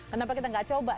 kenapa kita gak coba